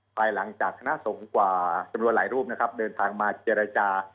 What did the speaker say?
ภายหลังจากคณะสงฆ์กว่าจำนวนหลายรูปนะครับเดินทางมาเจรจา